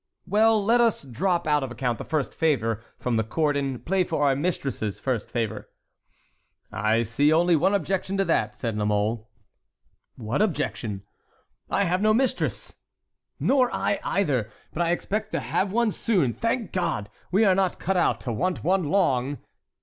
"Well, let us drop out of account the first favor from the court and play for our mistress's first favor." "I see only one objection to that," said La Mole. "What objection?" "I have no mistress!" "Nor I either. But I expect to have one soon. Thank God! we are not cut out to want one long!"